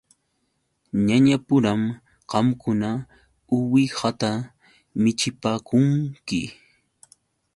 Ñañapuram qamkuna uwihata michipaakunki.